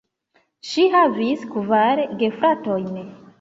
Ŝi havis kvar gefratojn.